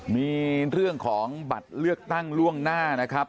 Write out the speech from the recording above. มีเรื่องของบัตรเลือกตั้งล่วงหน้านะครับ